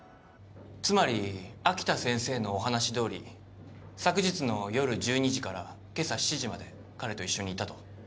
つまり秋田先生のお話どおり昨日の夜１２時から今朝７時まで彼と一緒にいたと？